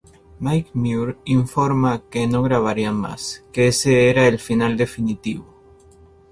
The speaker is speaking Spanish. Mike Muir informa que no grabarían más, que ese era el final definitivo.